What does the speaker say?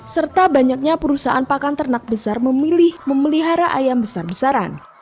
serta banyaknya perusahaan pakan ternak besar memilih memelihara ayam besar besaran